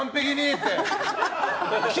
って。